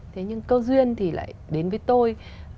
thế nhưng câu duyên thì lại đến với tôi